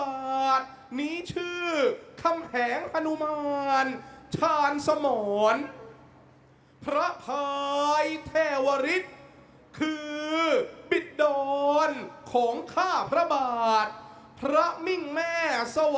อันนี้ถามนิดนึงค่ะอาจารย์